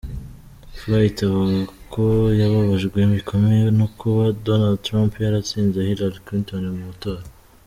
Flynt avuga ko yababajwe bikomeye no kuba Donald Trump yaratsinze Hillary Clinton mu matora.